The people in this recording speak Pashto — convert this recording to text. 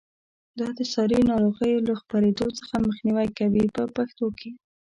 دا د ساري ناروغیو له خپرېدو څخه مخنیوی کوي په پښتو کې.